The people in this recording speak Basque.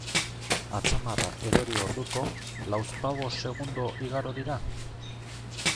Atzamarra erori orduko, lauzpabost segundo igaro dira?